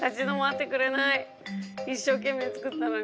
一生懸命作ったのに。